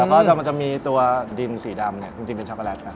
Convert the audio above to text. แล้วก็จะมีตัวดินสีดำเนี่ยจริงเป็นช็อกโกแลตนะครับ